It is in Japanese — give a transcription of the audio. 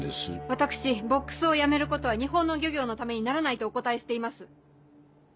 私ボックスをやめることは日本の漁業のためにならないとお答えしています。